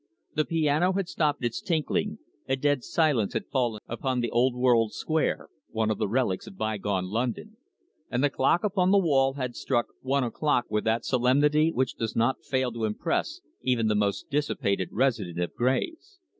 The piano had stopped its tinkling, a dead silence had fallen upon the old world square, one of the relics of bygone London, and the clock upon the hall had struck one o'clock with that solemnity which does not fail to impress even the most dissipated resident of Gray's.